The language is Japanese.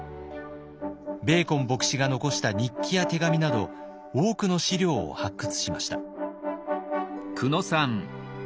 ベーコン牧師が残した日記や手紙など多くの資料を発掘しました。